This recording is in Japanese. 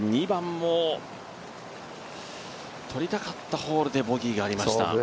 ２番も取りたかったホールでボギーがありました。